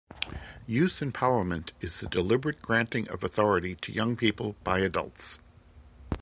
Youth empowerment is the deliberate granting of authority to young people by adults.